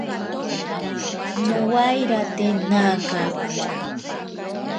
Nowairate naka.